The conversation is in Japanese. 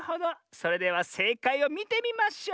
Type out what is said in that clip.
それではせいかいをみてみましょう！